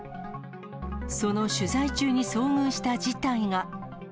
その取材中に遭遇した事態が。